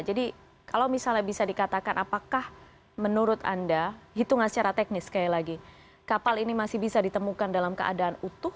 jadi kalau misalnya bisa dikatakan apakah menurut anda hitungan secara teknis sekali lagi kapal ini masih bisa ditemukan dalam keadaan utuh